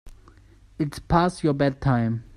It's past your bedtime.